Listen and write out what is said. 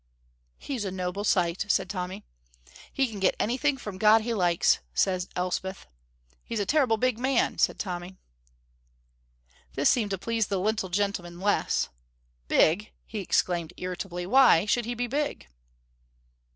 "He's a noble sight," said Tommy. "He can get anything from God he likes," said Elspeth. "He's a terrible big man," said Tommy. This seemed to please the little gentleman less. "Big!" he exclaimed, irritably; "why should he be big?"